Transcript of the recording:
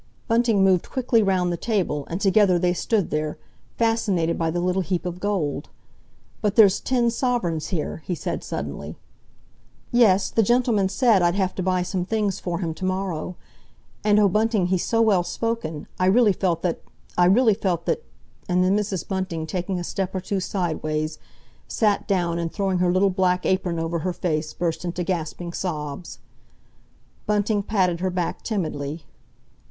Bunting moved quickly round the table, and together they stood there, fascinated by the little heap of gold. "But there's ten sovereigns here," he said suddenly. "Yes, the gentleman said I'd have to buy some things for him to morrow. And, oh, Bunting, he's so well spoken, I really felt that—I really felt that—" and then Mrs. Bunting, taking a step or two sideways, sat down, and throwing her little black apron over her face burst into gasping sobs. Bunting patted her back timidly.